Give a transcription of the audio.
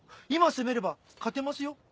今攻めれば勝てますよ。